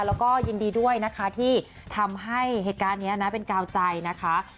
แล้วก็ยินดีด้วยนะคะที่ทำให้เหตุการณ์นี้นะเป็นกาวใจนะคะ